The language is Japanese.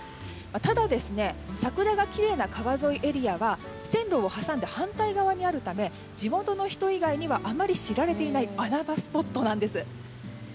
ただ、桜がきれいな川沿いエリアは線路を挟んで反対側にあるため地元の人以外にはあまり知られていない穴場スポットです。